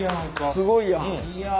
すごいやん！